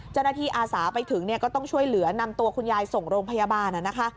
อาสาไปถึงเนี่ยก็ต้องช่วยเหลือนำตัวคุณยายส่งโรงพยาบาลนะคะ